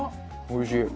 おいしい。